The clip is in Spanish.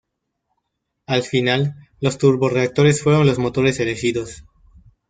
Al final los turborreactores fueron los motores elegidos.